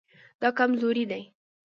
دا کمزوری دی